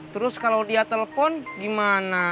terus kalau dia telpon gimana